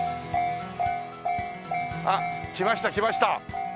あっ来ました来ました。